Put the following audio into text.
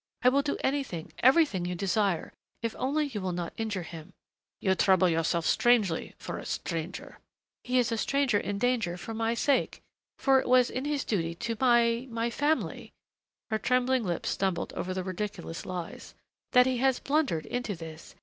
I will do anything everything you desire if only you will not injure him " "You trouble yourself strangely for a stranger." "He is a stranger in danger for my sake. For it was in his duty to my my family " her trembling lips stumbled over the ridiculous lies, "that he has blundered into this.